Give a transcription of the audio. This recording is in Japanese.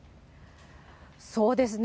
そうですね。